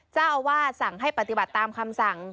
เจ้าอาวาสสั่งให้ปฏิบัติตามคำสั่ง